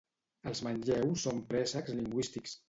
Els manlleus són préstecs lingüístics.